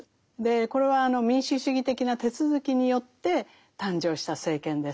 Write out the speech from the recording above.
これは民主主義的な手続きによって誕生した政権です。